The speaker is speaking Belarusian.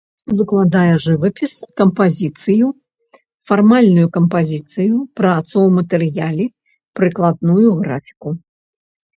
Выкладае жывапіс, кампазіцыю, фармальную кампазіцыю, працу ў матэрыяле, прыкладную графіку.